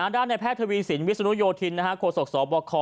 ด้านในแพทย์ทวีสินวิศนุโยธินโคศกสบค